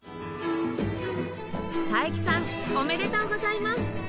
佐伯さんおめでとうございます！